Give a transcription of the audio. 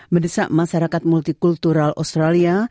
mendesak masyarakat multikultural australia